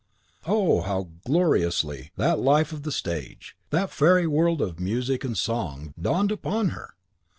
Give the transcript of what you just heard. Oh, how gloriously that life of the stage, that fairy world of music and song, dawned upon her!